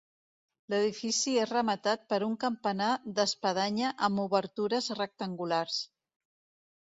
L'edifici és rematat per un campanar d'espadanya amb obertures rectangulars.